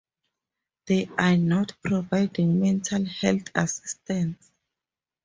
They are not providing mental health assistance.